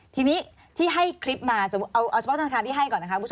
ทีนี้ที่ให้คลิปมาเอาเฉพาะธนาคารที่ให้ก่อนนะคะ